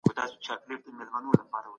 موږ باید دا شرط پوره کړو.